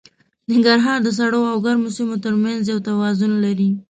ننګرهار د سړو او ګرمو سیمو تر منځ یو توازن لري.